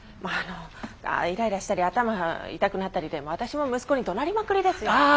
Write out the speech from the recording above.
あのイライラしたり頭痛くなったりで私も息子にどなりまくりですよ。